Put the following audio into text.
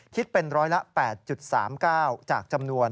คิดเป็นร้อยละ๘๓๙จากจำนวน